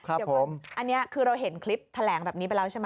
อันนี้คือเราเห็นคลิปแถลงแบบนี้ไปแล้วใช่ไหม